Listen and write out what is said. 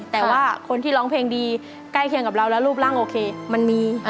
แต่ว่าคนที่ร้องเพลงดีใกล้เคียงกับเราแล้วรูปร่างโอเคมันมี